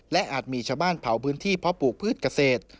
และอาจมีชาวบ้านเผาพื้นที่เพราะปลูกพืชเกษตร